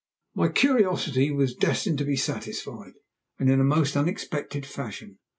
My curiosity was destined to be satisfied, and in a most unexpected fashion.